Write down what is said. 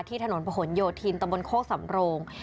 ที่ถนนผลโหงโยทินตะวนโค้กสังโรง